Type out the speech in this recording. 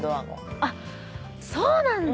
あっそうなんだ。